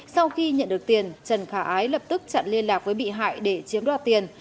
sau khi nhận được tiền trần khả ái lập tức chặn liên lạc với bị hại để chiếm đoạt tiền